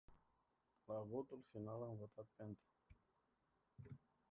La votul final am votat pentru.